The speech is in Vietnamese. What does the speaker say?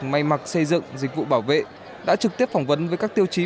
may mặc xây dựng dịch vụ bảo vệ đã trực tiếp phỏng vấn với các tiêu chí